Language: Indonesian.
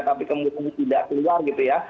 tapi kemudian tidak keluar gitu ya